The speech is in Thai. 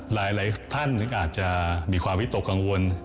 หลายท่านถึงอาจจะมีความวิตกกังวล